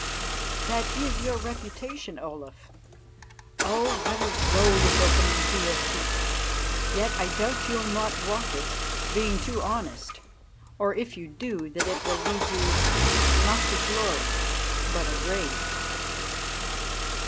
"That is your reputation, Olaf. Oh! what a road is opening to your feet. Yet I doubt you'll not walk it, being too honest; or, if you do, that it will lead you not to glory, but a grave."